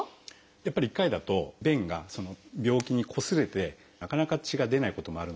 やっぱり１回だと便がその病気にこすれてもなかなか血が出ないこともあるので。